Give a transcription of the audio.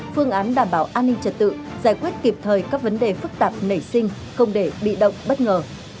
phương án đảm bảo an ninh trật tự giải quyết kịp thời các vấn đề phức tạp nảy sinh không để bị động bất ngờ